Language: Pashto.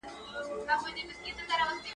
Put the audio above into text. په داسي حال کي چي !.